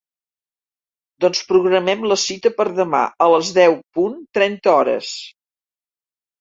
Doncs programem la cita per demà a les deu punt trenta hores.